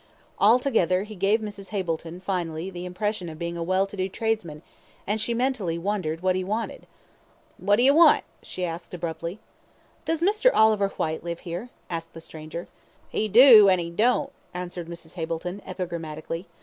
Altogether he gave Mrs. Hableton finally the impression of being a well to do tradesman, and she mentally wondered what he wanted. "What d'y want?" she asked, abruptly. "Does Mr. Oliver Whyte live here?" asked the stranger. "He do, an' he don't," answered Mrs. Hableton, epigrammatically.